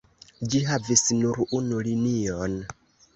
Ĝi havis nur unu linion.